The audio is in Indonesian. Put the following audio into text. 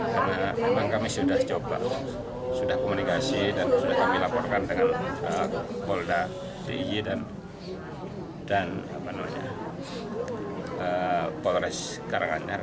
karena memang kami sudah coba sudah komunikasi dan sudah kami laporkan dengan polda dig dan polres karanganyar